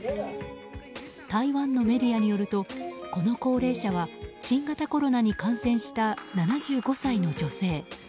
台湾のメディアによるとこの高齢者は新型コロナに感染した７５歳の女性。